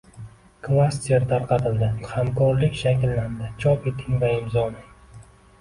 Klaster tarqatildi, hamkorlik shakllandi, chop eting va imzolang